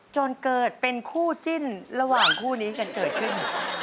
จนเกิดเป็นคู่จิ้นระหว่างคู่นี้กันเกิดขึ้น